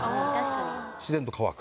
自然と乾く。